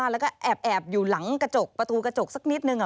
แล้วก็แอบอยู่หลังกระจกประตูกระจกสักนิดนึง